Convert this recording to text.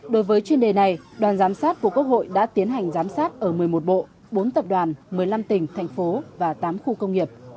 đối với chuyên đề này đoàn giám sát của quốc hội đã tiến hành giám sát ở một mươi một bộ bốn tập đoàn một mươi năm tỉnh thành phố và tám khu công nghiệp